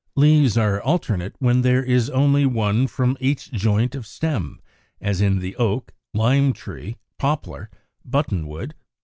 Leaves are alternate when there is only one from each joint of stem, as in the Oak, Lime tree, Poplar, Button wood (Fig.